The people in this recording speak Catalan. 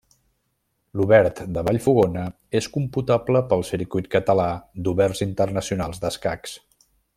L'Obert de Vallfogona és computable pel Circuit Català d'Oberts Internacionals d'Escacs.